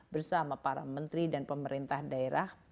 bersama para menteri dan pemerintah daerah